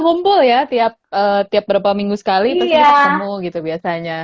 gumpul ya tiap tiap berapa minggu sekali iya kita ketemu gitu biasanya